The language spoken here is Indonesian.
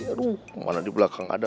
aduh malah di belakang ada